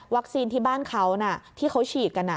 วัคซีนที่บ้านเขาที่เขาฉีดกัน